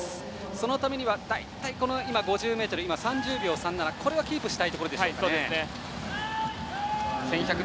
そのためには大体５０ｍ３０秒３７これをキープしたいところでしょうね。